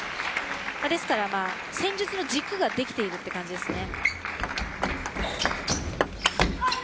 ですから戦術の軸ができているという感じですね。